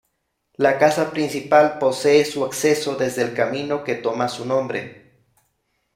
La casa principal posee su acceso desde el camino que toma su nombre.